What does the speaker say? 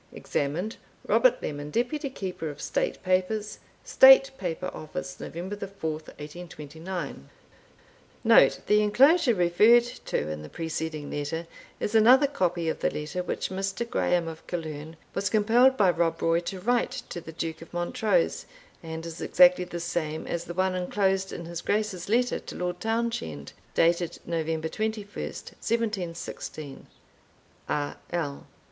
Examined, Robt. Lemon, Deputy Keeper of State Papers. STATE PAPER OFFICE, Nov. 4, 1829 Note. The enclosure referred to in the preceding letter is another copy of the letter which Mr. Grahame of Killearn was compelled by Rob Roy to write to the Duke of Montrose, and is exactly the same as the one enclosed in his Grace's letter to Lord Townshend, dated November 21st, 1716. R. L.